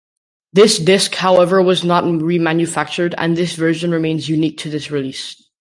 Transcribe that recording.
This disc however was not re-manufactured and this version remains unique to this release.